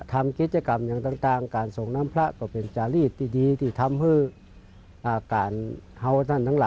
การรักฐานเข้ารุจที่ที่พระมาพุทธศาสนา